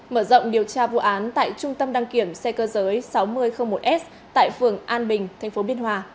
mở rộng điều tra vụ án tại trung tâm đăng kiểm xe cơ giới sáu nghìn một s tại phường an bình tp biên hòa